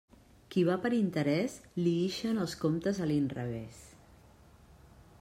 Qui va per l'interés, li ixen els comptes a l'inrevés.